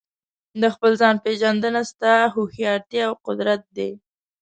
د خپل ځان پېژندنه ستا هوښیارتیا او قدرت دی.